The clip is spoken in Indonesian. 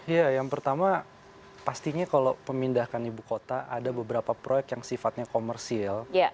ya yang pertama pastinya kalau pemindahkan ibu kota ada beberapa proyek yang sifatnya komersil